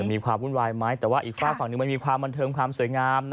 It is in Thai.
มีความวุ่นวายไหมแต่ว่าอีกฝากฝั่งหนึ่งมันมีความบันเทิงความสวยงาม